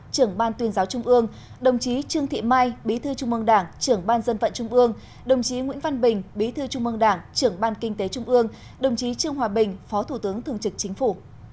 trưởng ban kinh tế trung ương đồng chí trương hòa bình phó thủ tướng thường trực chính phủ